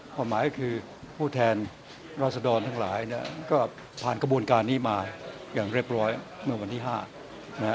ความหมายคือผู้แทนราษฎรทั้งหลายเนี่ยก็ผ่านกระบวนการนี้มาอย่างเรียบร้อยเมื่อวันที่๕นะฮะ